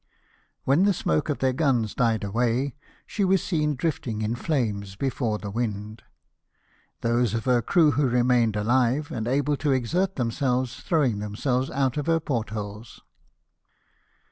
When the smoke of their guns died away, she was seen drifting in flames before the wind ; those of her crew who remained alive, and BATTLE OF COPENHAGEN. 237 able to exert themselves, throwing themselves out at her portholes.